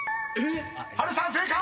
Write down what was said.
［波瑠さん正解！］